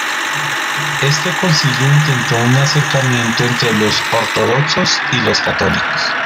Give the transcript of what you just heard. Este concilio intentó un acercamiento entre los ortodoxos y los católicos.